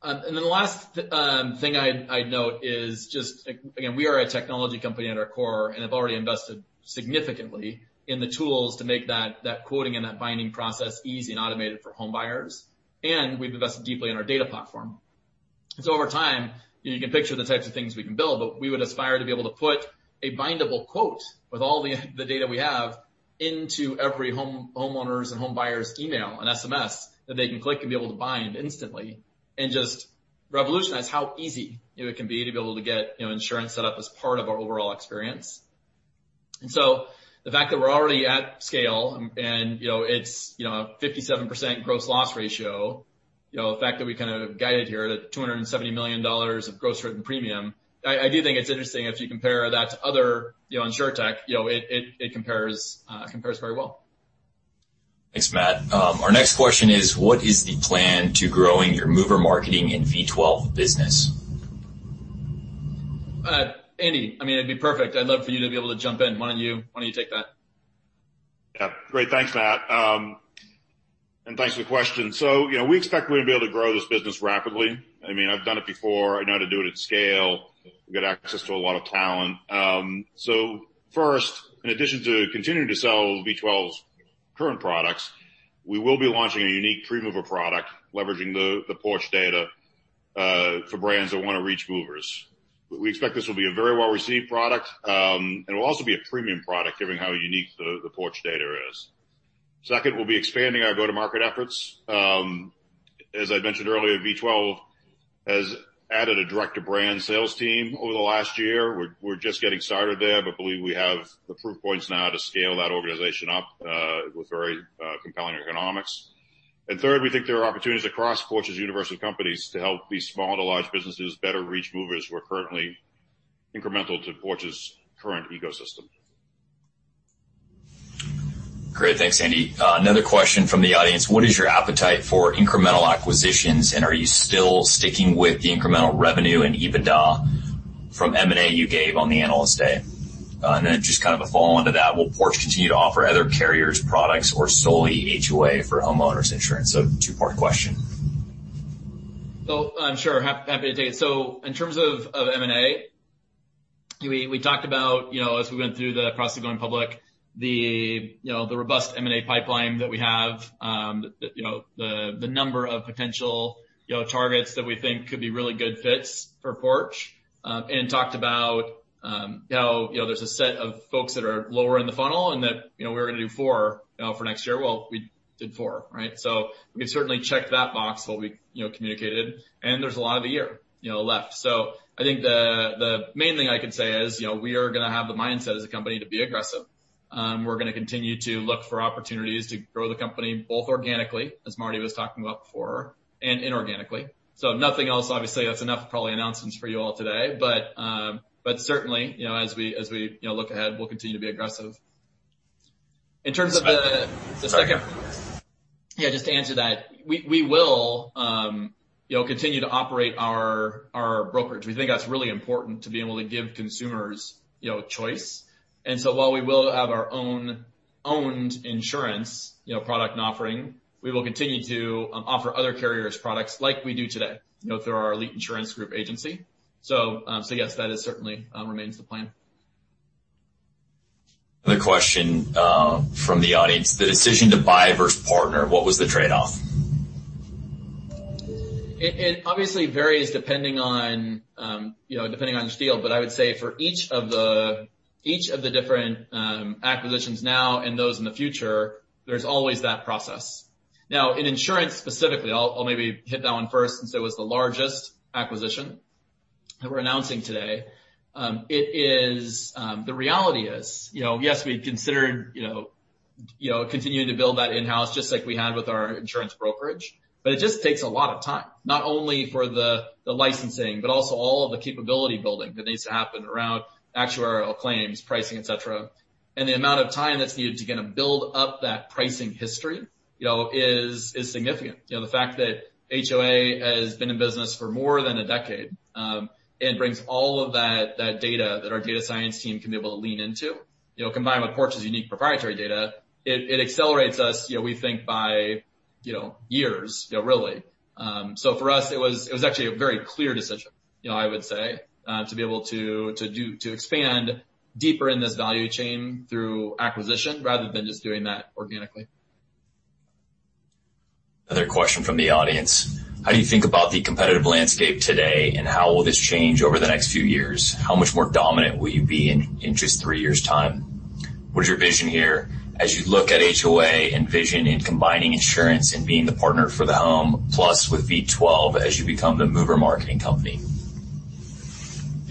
Then the last thing I'd note is just, again, we are a technology company at our core, and have already invested significantly in the tools to make that quoting and that binding process easy and automated for home buyers. We've invested deeply in our data platform. Over time, you can picture the types of things we can build, but we would aspire to be able to put a bindable quote with all the data we have into every homeowner's and home buyer's email and SMS that they can click and be able to bind instantly and just revolutionize how easy it can be to be able to get insurance set up as part of our overall experience. The fact that we're already at scale and it's a 57% gross loss ratio, the fact that we kind of guided here at $270 million of gross written premium, I do think it's interesting as you compare that to other Insurtech, it compares very well. Thanks, Matt. Our next question is, what is the plan to growing your mover marketing in V12 business? Andy, it'd be perfect. I'd love for you to be able to jump in. Why don't you take that? Yeah. Great. Thanks, Matt. And thanks for the question. We expect we're going to be able to grow this business rapidly. I've done it before. I know how to do it at scale, get access to a lot of talent. First, in addition to continuing to sell V12's current products, we will be launching a unique free mover product leveraging the Porch Group data, for brands that want to reach movers. We expect this will be a very well-received product, and it'll also be a premium product given how unique the Porch Group data is. Second, we'll be expanding our go-to-market efforts. As I mentioned earlier, V12 has added a direct-to-brand sales team over the last year. We're just getting started there, but believe we have the proof points now to scale that organization up with very compelling economics. Third, we think there are opportunities across Porch's universe of companies to help these small to large businesses better reach movers who are currently incremental to Porch's current ecosystem. Great. Thanks, Andy. Another question from the audience: What is your appetite for incremental acquisitions, and are you still sticking with the incremental revenue and EBITDA from M&A you gave on the Analyst Day? Then just a follow-on to that, will Porch Group continue to offer other carriers' products or solely HOA for homeowners insurance? Two-part question. Sure. Happy to take it. In terms of M&A, we talked about, as we went through the process of going public, the robust M&A pipeline that we have, the number of potential targets that we think could be really good fits for Porch Group, and talked about how there's a set of folks that are lower in the funnel and that we're going to do four for next year. We did four, right? We can certainly check that box, what we communicated, and there's a lot of the year left. I think the main thing I can say is we are going to have the mindset as a company to be aggressive. We're going to continue to look for opportunities to grow the company both organically, as Marty was talking about before, and inorganically. Nothing else, obviously, that's enough probably announcements for you all today. Certainly, as we look ahead, we'll continue to be aggressive. In terms of the second part. Yeah, just to answer that, we will continue to operate our brokerage. We think that's really important to be able to give consumers choice. While we will have our own owned insurance product and offering, we will continue to offer other carriers products like we do today through our Elite Insurance Group agency. Yes, that certainly remains the plan. Another question from the audience. The decision to buy versus partner, what was the trade-off? It obviously varies depending on the deal, but I would say for each of the different acquisitions now and those in the future, there's always that process. In insurance specifically, I'll maybe hit that one first since it was the largest acquisition that we're announcing today. The reality is, yes, we considered continuing to build that in-house, just like we had with our insurance brokerage. It just takes a lot of time, not only for the licensing, but also all of the capability building that needs to happen around actuarial claims, pricing, et cetera. The amount of time that's needed to build up that pricing history is significant. The fact that HOA has been in business for more than a decade, and brings all of that data that our data science team can be able to lean into, combined with Porch's unique proprietary data, it accelerates us, we think by years, really. For us, it was actually a very clear decision, I would say, to be able to expand deeper in this value chain through acquisition rather than just doing that organically. Another question from the audience. How do you think about the competitive landscape today? How will this change over the next few years? How much more dominant will you be in just three years' time? What is your vision here as you look at HOA and vision in combining insurance and being the partner for the home, plus with V12 as you become the mover marketing company?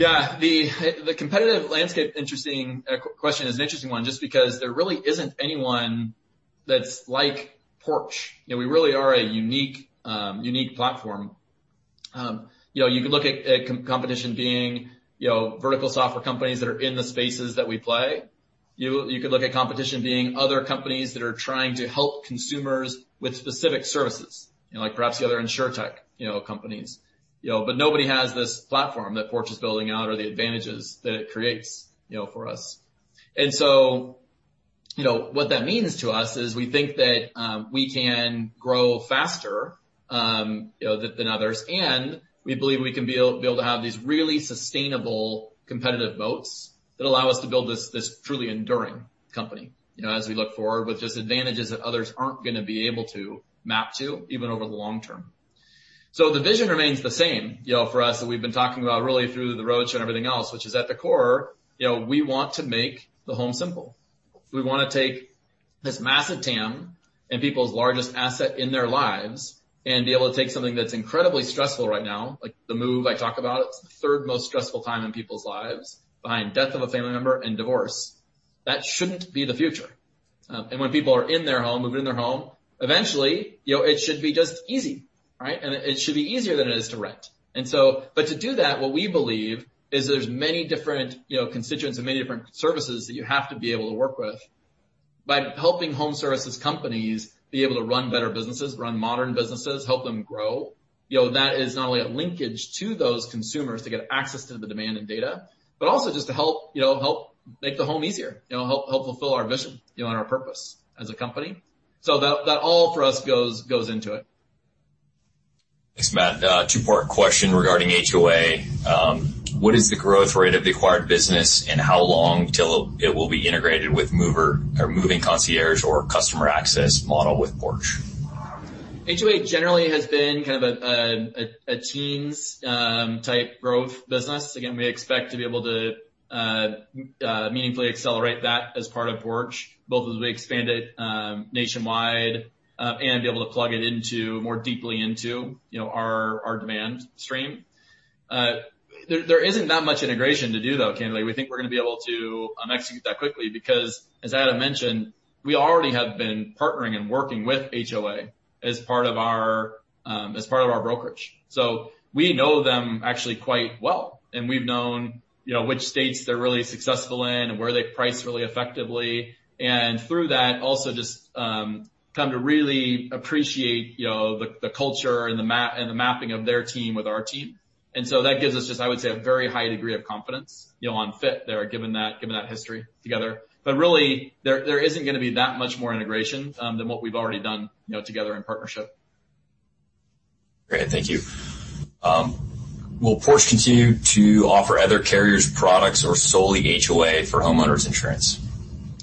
Yeah. The competitive landscape question is an interesting one, just because there really isn't anyone that's like Porch Group. We really are a unique platform. You could look at competition being vertical software companies that are in the spaces that we play. You could look at competition being other companies that are trying to help consumers with specific services, like perhaps the other Insurtech companies. Nobody has this platform that Porch Group is building out or the advantages that it creates for us. What that means to us is we think that we can grow faster than others, and we believe we can be able to have these really sustainable competitive moats that allow us to build this truly enduring company as we look forward with just advantages that others aren't going to be able to map to, even over the long term. The vision remains the same for us, that we've been talking about really through the roadshow and everything else, which is at the core, we want to make the home simple. We want to take this massive TAM and people's largest asset in their lives and be able to take something that's incredibly stressful right now, like the move I talk about, it's the third most stressful time in people's lives, behind death of a family member and divorce. That shouldn't be the future. When people are in their home, moving in their home, eventually, it should be just easy, right? It should be easier than it is to rent. To do that, what we believe is there's many different constituents and many different services that you have to be able to work with. By helping home services companies be able to run better businesses, run modern businesses, help them grow, that is not only a linkage to those consumers to get access to the demand and data, but also just to help make the home easier, help fulfill our vision and our purpose as a company. That all for us goes into it. Thanks, Matt. A two-part question regarding HOA. What is the growth rate of the acquired business, and how long till it will be integrated with mover or moving concierge or customer access model with Porch Group? HOA generally has been kind of a teens type growth business. We expect to be able to meaningfully accelerate that as part of Porch Group, both as we expand it nationwide, and be able to plug it more deeply into our demand stream. There isn't that much integration to do, though, candidly. We think we're going to be able to execute that quickly because, as Adam mentioned, we already have been partnering and working with HOA as part of our brokerage. We know them actually quite well, and we've known which states they're really successful in and where they price really effectively. Through that, also just come to really appreciate the culture and the mapping of their team with our team. That gives us just, I would say, a very high degree of confidence on fit there, given that history together. Really, there isn't going to be that much more integration than what we've already done together in partnership. Great. Thank you. Will Porch Group continue to offer other carriers' products or solely HOA for homeowners insurance?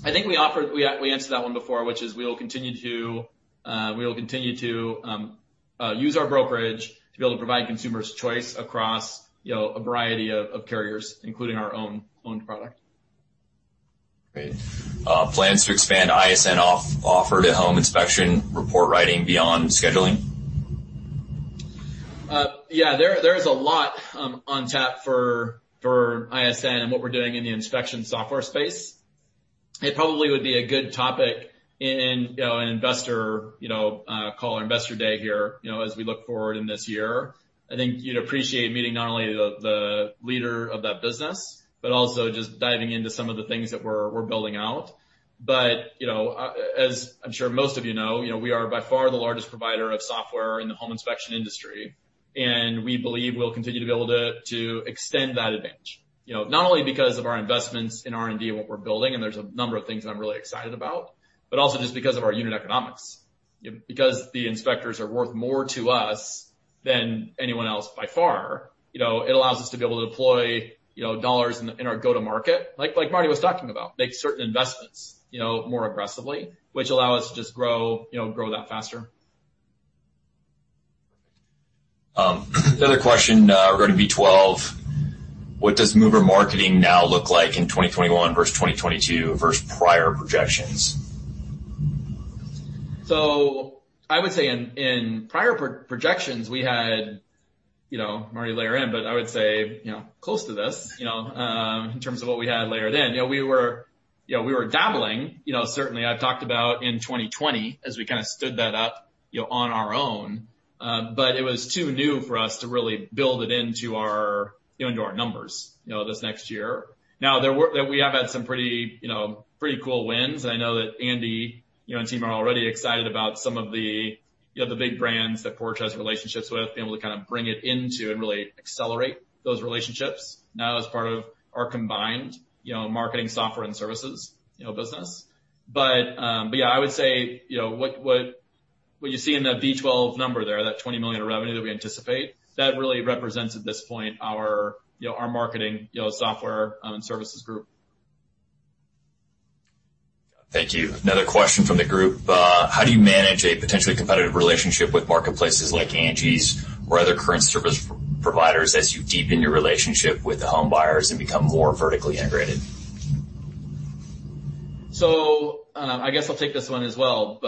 I think we answered that one before, which is we will continue to use our brokerage to be able to provide consumers choice across a variety of carriers, including our own product. Great. Plans to expand ISN offer to home inspection report writing beyond scheduling? Yeah, there is a lot on tap for ISN and what we're doing in the inspection software space. It probably would be a good topic in an Investor Call or Investor Day here, as we look forward in this year. I think you'd appreciate meeting not only the leader of that business, but also just diving into some of the things that we're building out. As I'm sure most of you know, we are by far the largest provider of software in the home inspection industry, and we believe we'll continue to be able to extend that advantage. Not only because of our investments in R&D and what we're building, and there's a number of things that I'm really excited about, but also just because of our unit economics. The inspectors are worth more to us than anyone else by far, it allows us to be able to deploy dollars in our go-to-market, like Marty was talking about, make certain investments more aggressively, which allow us to just grow that faster. Perfect. Another question regarding V12. What does mover marketing now look like in 2021 versus 2022 versus prior projections? I would say in prior projections, we had already layered in, but I would say close to this, in terms of what we had layered in. We were dabbling, certainly, I've talked about in 2020 as we kind of stood that up on our own. It was too new for us to really build it into our numbers this next year. We have had some pretty cool wins. I know that Andy and team are already excited about some of the big brands that Porch Group has relationships with, being able to bring it into and really accelerate those relationships now as part of our combined marketing software and services business. I would say what you see in the V12 number there, that $20 million of revenue that we anticipate, that really represents at this point our marketing software and services group. Thank you. Another question from the group. How do you manage a potentially competitive relationship with marketplaces like Angi or other current service providers as you deepen your relationship with the home buyers and become more vertically integrated? I guess I'll take this one as well.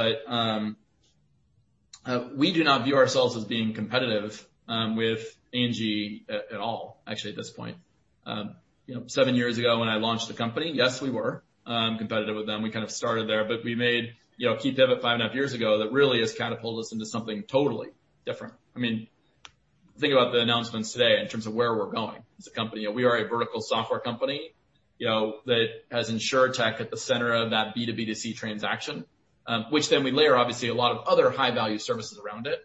We do not view ourselves as being competitive with Angi at all, actually, at this point. Seven years ago when I launched the company, yes, we were competitive with them. We kind of started there. We made a key pivot five and a half years ago that really has catapulted us into something totally different. Think about the announcements today in terms of where we're going as a company. We are a vertical software company that has Insurtech at the center of that B2B2C transaction. We layer, obviously, a lot of other high-value services around it.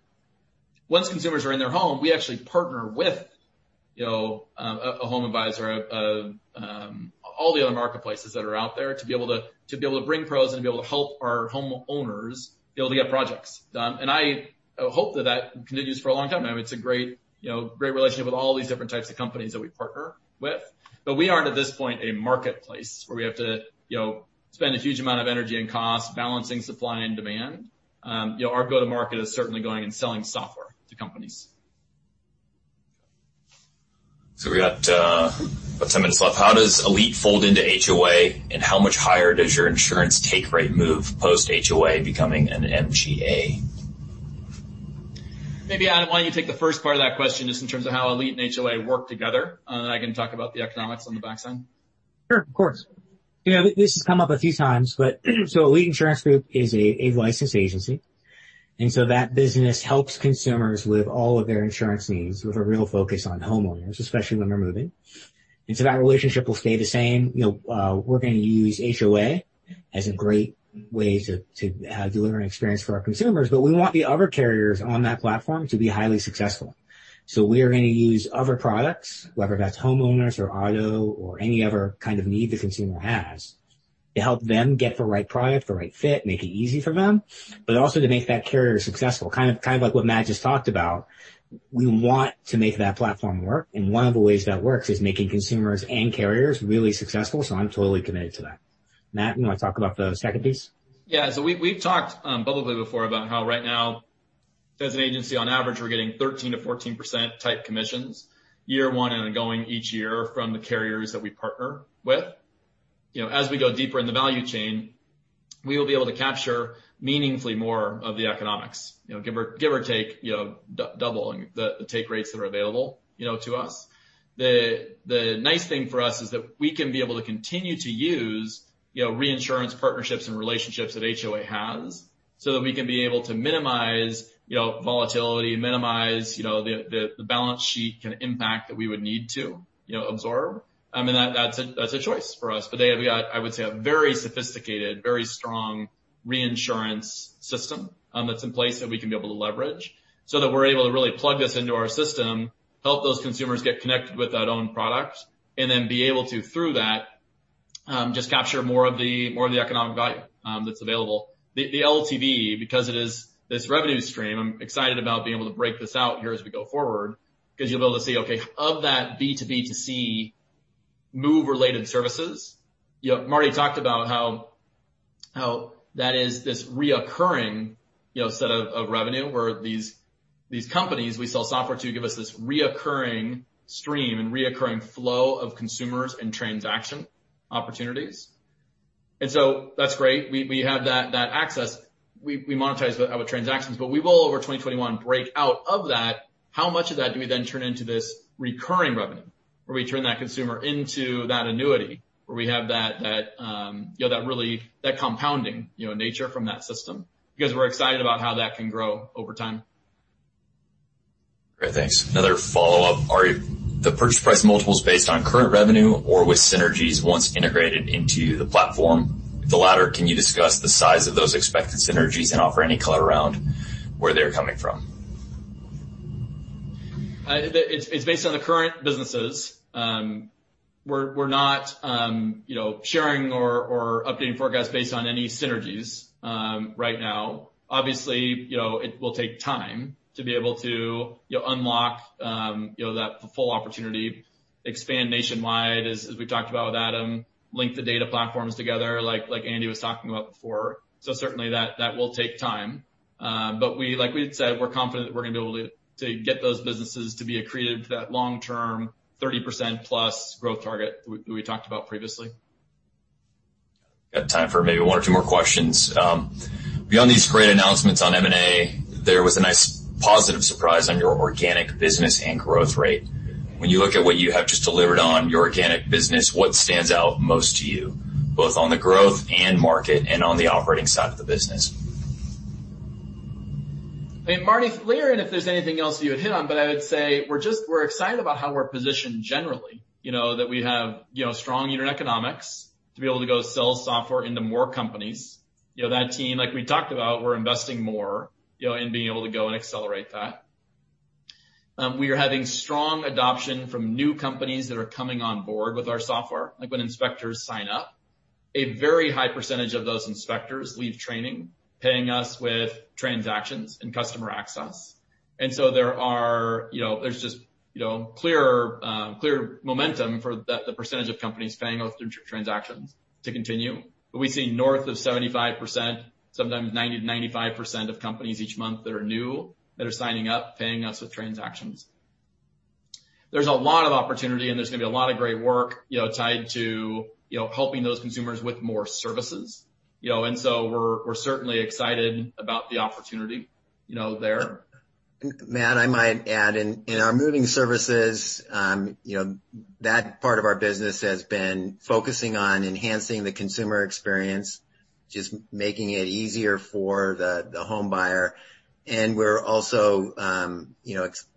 Once consumers are in their home, we actually partner with a HomeAdvisor, all the other marketplaces that are out there to be able to bring pros and be able to help our homeowners be able to get projects done. I hope that that continues for a long time. It's a great relationship with all these different types of companies that we partner with. We aren't, at this point, a marketplace where we have to spend a huge amount of energy and cost balancing supply and demand. Our go-to-market is certainly going and selling software to companies. We got 10 minutes left. How does Elite Insurance Group fold into HOA, and how much higher does your insurance take rate move post-HOA becoming an MGA? Maybe, Adam, why don't you take the first part of that question, just in terms of how Elite Insurance Group and HOA work together? Then I can talk about the economics on the back end. Sure, of course. This has come up a few times. Elite Insurance Group is a licensed agency, and that business helps consumers with all of their insurance needs with a real focus on homeowners, especially when they're moving. That relationship will stay the same. We're going to use HOA as a great way to deliver an experience for our consumers, but we want the other carriers on that platform to be highly successful. We are going to use other products, whether that's homeowners or auto or any other kind of need the consumer has, to help them get the right product, the right fit, make it easy for them, but also to make that carrier successful. Kind of like what Matt just talked about. We want to make that platform work, and one of the ways that works is making consumers and carriers really successful. I'm totally committed to that. Matt, you want to talk about the second piece? We've talked publicly before about how right now, as an agency, on average, we're getting 13%-14% type commissions year one and then going each year from the carriers that we partner with. As we go deeper in the value chain, we will be able to capture meaningfully more of the economics, give or take, doubling the take rates that are available to us. The nice thing for us is that we can be able to continue to use reinsurance partnerships and relationships that HOA has so that we can be able to minimize volatility, minimize the balance sheet kind of impact that we would need to absorb. That's a choice for us. They have, I would say, a very sophisticated, very strong reinsurance system that's in place that we can be able to leverage so that we're able to really plug this into our system, help those consumers get connected with that own product, and then be able to, through that, just capture more of the economic value that's available. The LTV, because it is this revenue stream, I'm excited about being able to break this out here as we go forward because you'll be able to see, okay, of that B2B2C move-related services. Marty talked about how that is this reoccurring set of revenue where these companies we sell software to give us this reoccurring stream and reoccurring flow of consumers and transaction opportunities. That's great. We have that access. We monetize our transactions. We will, over 2021, break out of that, how much of that do we then turn into this recurring revenue, where we turn that consumer into that annuity, where we have that compounding nature from that system. We're excited about how that can grow over time. Great. Thanks. Another follow-up. Are the purchase price multiples based on current revenue or with synergies once integrated into the platform? If the latter, can you discuss the size of those expected synergies and offer any color around where they're coming from? It's based on the current businesses. We're not sharing or updating forecasts based on any synergies right now. Obviously, it will take time to be able to unlock that full opportunity, expand nationwide, as we've talked about with Adam, link the data platforms together, like Andy was talking about before. Certainly that will take time. Like we had said, we're confident that we're going to be able to get those businesses to be accretive to that long-term 30%+ growth target we talked about previously. Got time for maybe one or two more questions. Beyond these great announcements on M&A, there was a nice positive surprise on your organic business and growth rate. When you look at what you have just delivered on your organic business, what stands out most to you, both on the growth and market and on the operating side of the business? I mean, Marty, layer in if there's anything else you would hit on, but I would say we're excited about how we're positioned generally. We have strong unit economics to be able to go sell software into more companies. Team, like we talked about, we're investing more in being able to go and accelerate that. We are having strong adoption from new companies that are coming on board with our software, like when inspectors sign up. A very high percentage of those inspectors leave training, paying us with transactions and customer access. There's just clear momentum for the percentage of companies paying us through transactions to continue. We see north of 75%, sometimes 90%-95% of companies each month that are new, that are signing up, paying us with transactions. There's a lot of opportunity, and there's going to be a lot of great work tied to helping those consumers with more services. We're certainly excited about the opportunity there. Matt, I might add in our moving services, that part of our business has been focusing on enhancing the consumer experience, just making it easier for the home buyer. We're also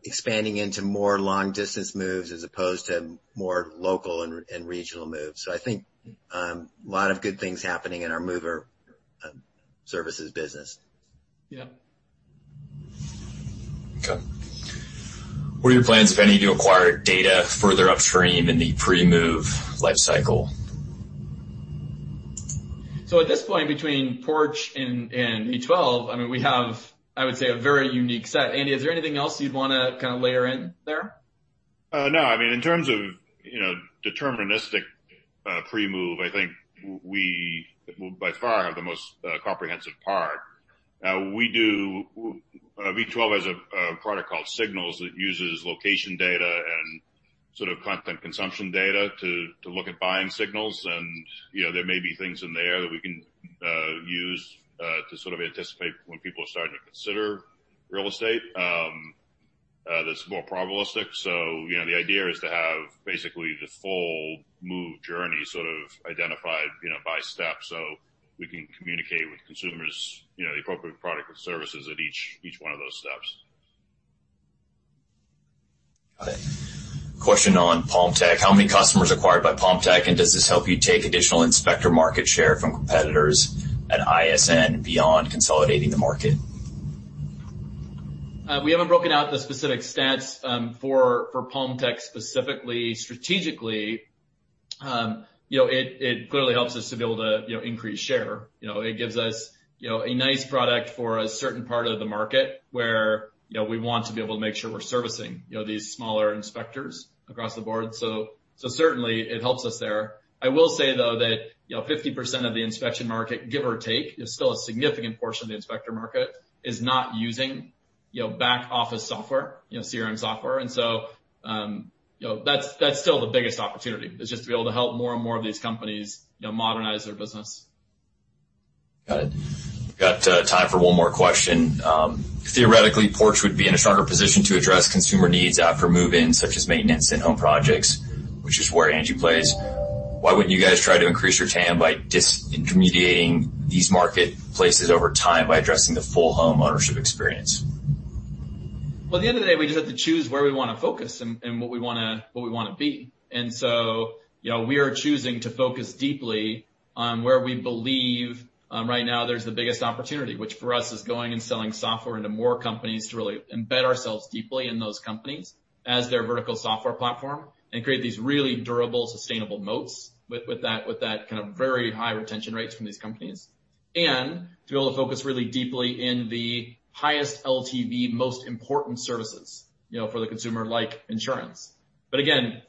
expanding into more long-distance moves as opposed to more local and regional moves. I think, a lot of good things happening in our mover services business. Yeah. Okay. What are your plans, if any, to acquire data further upstream in the pre-move life cycle? At this point, between Porch Group and V12, I mean, we have, I would say, a very unique set. Andy, is there anything else you'd want to kind of layer in there? No. I mean, in terms of deterministic pre-move, I think we, by far, have the most comprehensive part. V12 has a product called Signals that uses location data and content consumption data to look at buying signals, and there may be things in there that we can use to anticipate when people are starting to consider real estate that's more probabilistic. The idea is to have basically the full move journey identified by steps so we can communicate with consumers the appropriate product or services at each one of those steps. Got it. Question on PalmTech. How many customers acquired by PalmTech, and does this help you take additional inspector market share from competitors at ISN beyond consolidating the market? We haven't broken out the specific stats for PalmTech specifically. Strategically, it clearly helps us to be able to increase share. It gives us a nice product for a certain part of the market where we want to be able to make sure we're servicing these smaller inspectors across the board. Certainly, it helps us there. I will say, though, that 50% of the inspection market, give or take, is still a significant portion of the inspector market, is not using back-office software, CRM software. That's still the biggest opportunity, is just to be able to help more and more of these companies modernize their business. Got it. Got time for one more question. Theoretically, Porch Group would be in a stronger position to address consumer needs after move-in, such as maintenance and home projects, which is where Angi plays. Why wouldn't you guys try to increase your TAM by disintermediating these marketplaces over time by addressing the full home ownership experience? Well, at the end of the day, we just have to choose where we want to focus and what we want to be. We are choosing to focus deeply on where we believe right now there's the biggest opportunity. Which for us is going and selling software into more companies to really embed ourselves deeply in those companies as their vertical software platform and create these really durable, sustainable moats with that kind of very high retention rates from these companies. To be able to focus really deeply in the highest LTV, most important services for the consumer, like insurance. Again,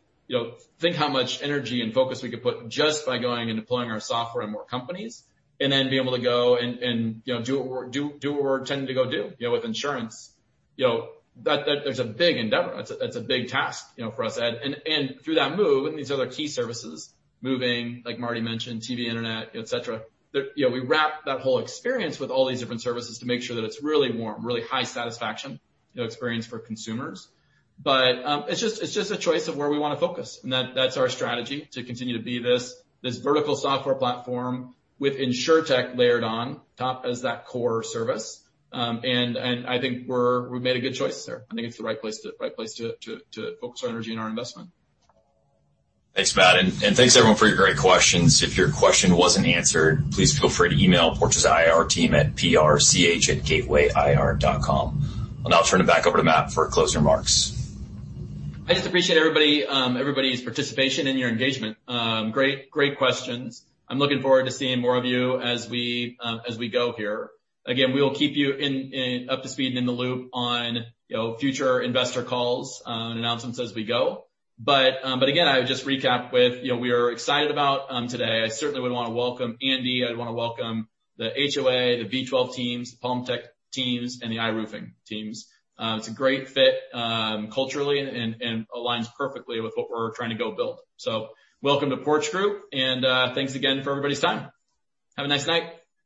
think how much energy and focus we could put just by going and deploying our software in more companies and then be able to go and do what we're intending to go do with insurance. There's a big endeavor. That's a big task for us. Through that move and these other key services, moving, like Marty mentioned, TV, internet, et cetera, we wrap that whole experience with all these different services to make sure that it's really warm, really high satisfaction experience for consumers. It's just a choice of where we want to focus, and that's our strategy to continue to be this vertical software platform with Insurtech layered on top as that core service. I think we've made a good choice there. I think it's the right place to focus our energy and our investment. Thanks, Matt, and thanks everyone for your great questions. If your question wasn't answered, please feel free to email Porch's IR team at prch@gatewayir.com. I'll now turn it back over to Matt for closing remarks. I just appreciate everybody's participation and your engagement. Great questions. I'm looking forward to seeing more of you as we go here. Again, we will keep you up to speed and in the loop on future Investor Calls and announcements as we go. Again, I would just recap with we are excited about today. I certainly would want to welcome Andy, I'd want to welcome the HOA, the V12 teams, the PalmTech teams, and the iRoofing teams. It's a great fit culturally and aligns perfectly with what we're trying to go build. Welcome to Porch Group, and thanks again for everybody's time. Have a nice night.